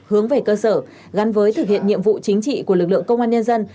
hướng về cơ sở gắn với thực hiện nhiệm vụ chính trị của lực lượng công an nhân dân